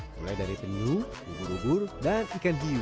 mulai dari penyuh hubur hubur dan ikan hiu